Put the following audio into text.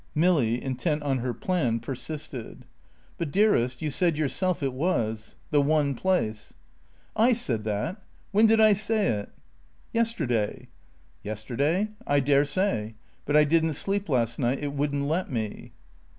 Milly, intent on her "plan," persisted. "But, dearest, you said yourself it was. The one place." "I said that? When did I say it?" "Yesterday." "Yesterday? I daresay. But I didn't sleep last night. It wouldn't let me."